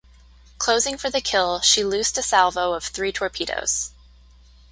Closing for the kill she loosed a salvo of three torpedoes.